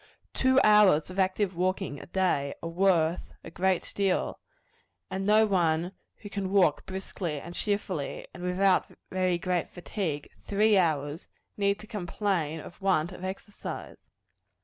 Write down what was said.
Two hours of active walking a day, are worth a great deal; and no one who can walk briskly and cheerfully, and without very great fatigue, three hours, need to complain of want of exercise.